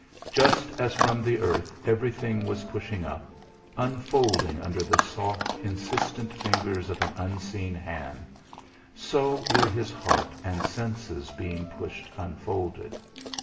Just as from the earth everything was pushing up, unfolding under the soft insistent fingers of an unseen hand, so were his heart and senses being pushed, unfolded.